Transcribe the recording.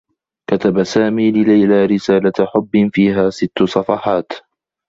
كتب سامي لليلى رسالة حبّ فيها ستّ صفحات.